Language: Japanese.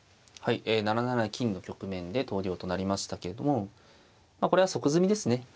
はい７七金の局面で投了となりましたけれどもこれは即詰みですね。